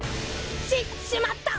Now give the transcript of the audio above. ししまった！